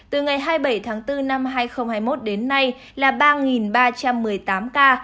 từ ngày hai mươi bảy tháng bốn năm hai nghìn hai mươi một đến nay là ba ba trăm một mươi tám ca